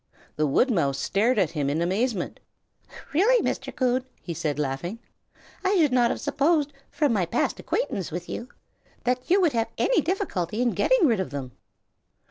The woodmouse stared at him in amazement. "Really, Mr. Coon," he said, laughing, "I should not have supposed, from my past acquaintance with you, that you would have any difficulty in getting rid of them."